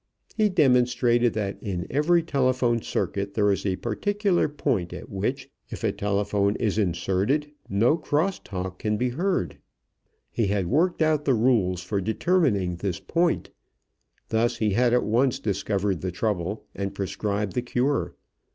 He demonstrated that in every telephone circuit there is a particular point at which, if a telephone is inserted, no cross talk can be heard. He had worked out the rules for determining this point. Thus he had at once discovered the trouble and prescribed the cure.